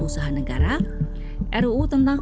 usaha negara ruu tentang